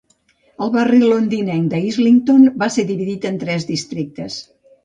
El barri londinenc d'Islington va ser dividit en tres districtes.